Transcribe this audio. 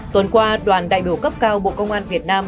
tuần qua đoàn đại biểu cấp cao bộ công an việt nam